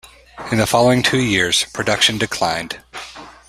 In the following two years, production declined.